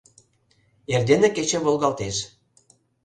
Эрдене кече волгалтеш